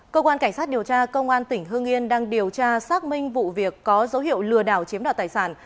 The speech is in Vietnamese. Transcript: cơ quan cảnh sát điều tra công an tỉnh hương yên đang điều tra xác minh vụ việc có dấu hiệu lừa đảo chiếm đoạt tài sản